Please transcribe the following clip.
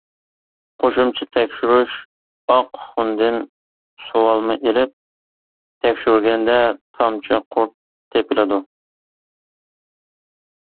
قوشۇمچە تەكشۈرۈش:ئاق خۇندىن سۇۋالما ئېلىپ تەكشۈرگەندە، تامچە قۇرت تېپىلىدۇ.